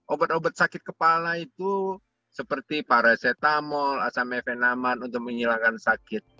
obat obat sakit kepala itu seperti paracetamol asam efenaman untuk menghilangkan sakit